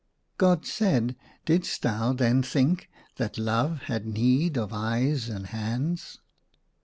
" God said, *' Didst thou then think that love had need of eyes and hands